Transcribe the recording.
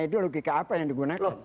ide logika apa yang digunakan